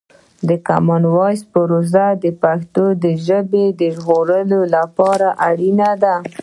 د کامن وایس پروسه د پښتو د ژغورلو لپاره اړینه ده.